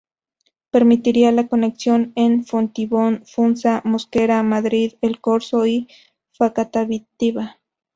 Permitiría la conexión con Fontibón, Funza, Mosquera, Madrid, El Corzo y Facatativá.